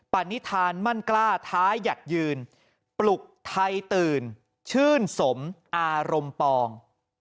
ปณิธานมั่นกล้าท้ายัดยืนปลุกไทยตื่นชื่นสมอารมณ์ปอง